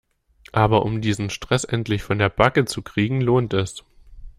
Aber um diesen Stress endlich von der Backe zu kriegen lohnt es.